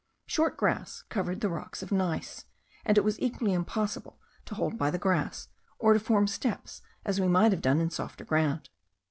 Short grass covered the rocks of gneiss, and it was equally impossible to hold by the grass, or to form steps as we might have done in softer ground.